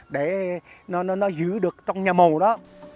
để nó giữ được trong nhà mồ đó